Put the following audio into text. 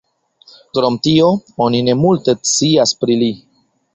Krom tio, oni ne multe scias pri li.